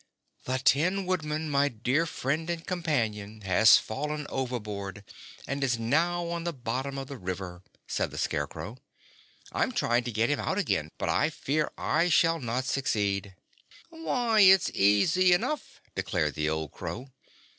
"The Tin Woodman, my dear friend and companion, has fallen overboard and is now on the bottom of the river," said the Scarecrow. "I'm trying to get him out again, but I fear I shall not succeed." "Why, it's easy enough," declared the old crow.